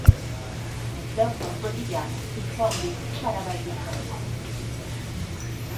Les fleurs sont polygames et forment des cymes à la base des feuilles.